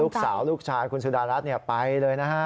ลูกชายลูกชายคุณสุดารัฐไปเลยนะฮะ